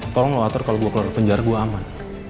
tolong lo atur kalau gue keluar dari penjara gue aman